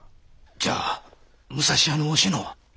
じゃ武蔵屋のおしのは。